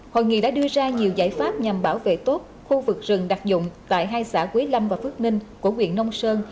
hội nghị đã đưa ra nhiều giải pháp nhằm bảo vệ tốt khu vực rừng đặc dụng tại hai xã quý lâm và phước ninh của quyện nông sơn